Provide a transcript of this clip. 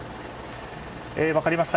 分かりました。